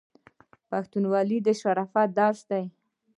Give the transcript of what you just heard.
پښتونولي د شرافت درس دی.